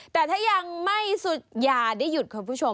แต่ถ้ายังไม่สุดอย่าได้หยุดคุณผู้ชม